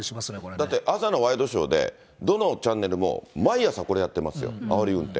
だって朝のワイドショーで、どのチャンネルも毎朝、これやってますよ、あおり運転。